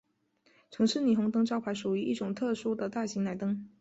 城市霓虹灯招牌属于一种特殊的大型氖灯。